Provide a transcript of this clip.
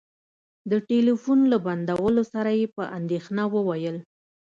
د ټلفون له بندولو سره يې په اندېښنه وويل.